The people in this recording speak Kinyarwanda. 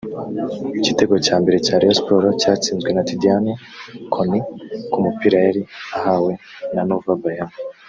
Igitego cya mbere cya Rayon Sports cyatsinzwe na Tidiane Koné ku mupira yari ahawe na Nova Bayama